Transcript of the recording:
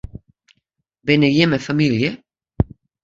Binne jimme famylje?